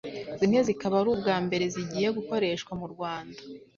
zimwe zikaba ari ubwa mbere zigiye gukoreshwa mu Rwanda.